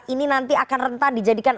ini nanti akan rentan dijadikan